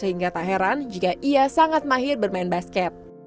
sehingga tak heran jika ia sangat mahir bermain basket